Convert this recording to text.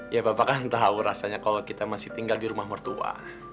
ya bapak kan tahu rasanya kalau kita masih tinggal di rumah mertua